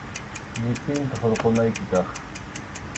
Llipinta hurqukunayki kaq.